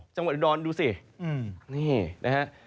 จังหวัดอุดรดูสินี่นะฮะ